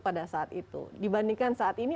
pada saat itu dibandingkan saat ini